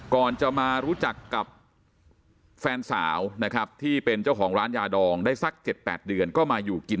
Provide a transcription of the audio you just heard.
ก่อนจะมารู้จักกับแฟนสาวที่เป็นเจ้าหองร้านยาดองได้สัก๗๘เดือน